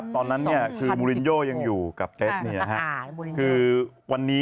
ตอนนั้นมูลินโยยังอยู่กับเก็ตนี่นะครับคือมูลินโย